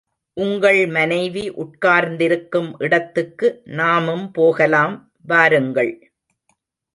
உங்கள் மனைவி உட்கார்ந்திருக்கும் இடத்துக்கு நாமும் போகலாம், வாருங்கள்!